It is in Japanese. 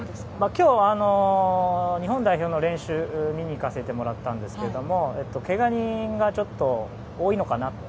今日、日本代表の練習を見に行かせてもらったんですがけが人がちょっと多いのかなと。